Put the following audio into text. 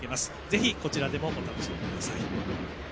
ぜひ、こちらでもご覧ください。